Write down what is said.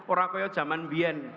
orang itu zaman dulu